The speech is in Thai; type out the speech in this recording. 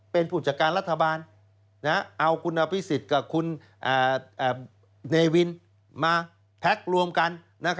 เป็นผู้จัดการรัฐบาลเอาคุณอภิษฎกับคุณเนวินมาแพ็ครวมกัน